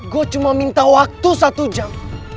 gue cuma minta waktu satu jam